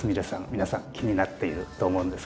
皆さん気になっていると思うんですけれども。